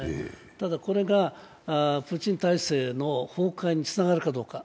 ただ、これがプーチン体制の崩壊につながるかどうか。